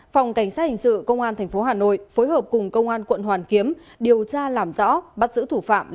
phòng cảnh sát hình sự công an tp hà nội phối hợp cùng công an quận hoàn kiếm điều tra làm rõ bắt giữ thủ phạm